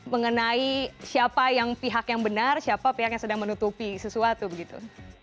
mengenai siapa yang pihak yang benar siapa pihak yang sedang menutupi sesuatu begitu